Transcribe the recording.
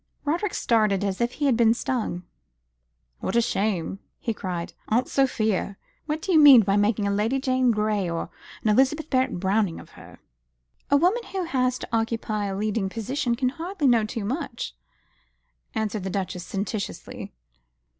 Roderick started as if he had been stung. "What a shame!" he cried. "Aunt Sophia, what do you mean by making a Lady Jane Grey or an Elizabeth Barrett Browning of her?" "A woman who has to occupy a leading position can hardly know too much," answered the Duchess sententiously.